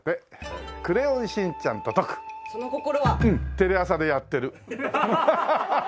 テレ朝でやってる。